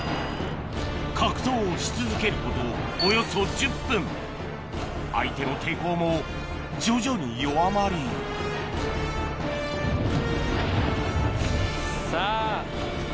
格闘し続けることおよそ１０分相手の抵抗も徐々に弱まりさぁ。